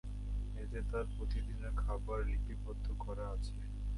এতে তার প্রতিদিনের খাবার লিপিবদ্ধ করা আছে।